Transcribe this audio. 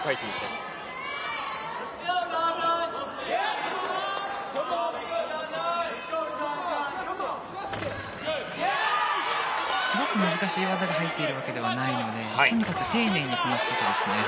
すごく難しい技が入っているわけではないのでとにかく丁寧にこなすことですね。